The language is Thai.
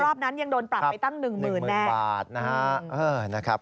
รอบนั้นยังโดนปรับไปตั้ง๑หมื่นแน่